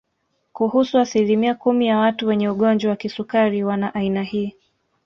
Kuhusu asilimia kumi ya watu wenye ugonjwa wa kisukari wana aina hii